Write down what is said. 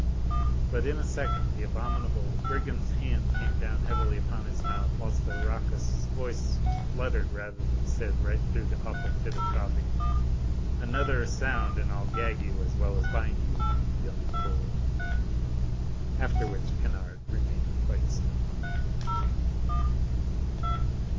But in a second the abominable brigand's hand came down heavily upon his mouth, whilst a raucous voice spluttered rather than said, right through an awful fit of coughing: "Another sound, and I'll gag as well as bind you, you young fool!" After which, Kennard remained quite still.